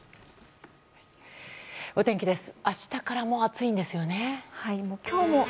お天気です。